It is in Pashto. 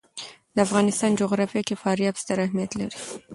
د افغانستان جغرافیه کې فاریاب ستر اهمیت لري.